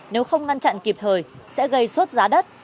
nếu không ngăn chặn kịp thời sẽ gây suốt giá đất